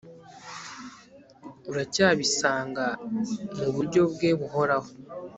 uracyabisanga muburyo bwe bukoraho